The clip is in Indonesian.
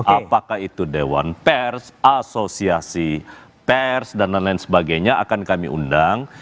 apakah itu dewan pers asosiasi pers dan lain lain sebagainya akan kami undang